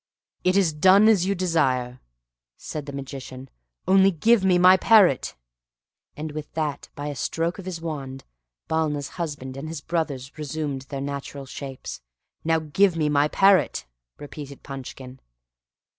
"It is done as you desire," said the Magician, "only give me my parrot." And With that, by a stroke of his wand, Balna's husband and his brothers resumed their natural shapes. "Now, give me my parrot," repeated Punchkin.